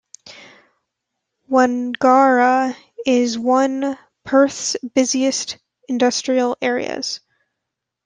Wangara is one Perth's busiest industrial areas.